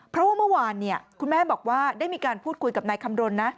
เพราะว่าเมื่อวานคุณแม่บอกว่าได้มีการพูดคุยกับนายคำรณนะ